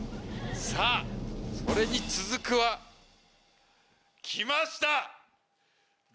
さぁそれに続くは来ました